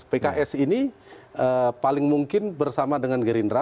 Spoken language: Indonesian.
pks ini paling mungkin bersama dengan gerindra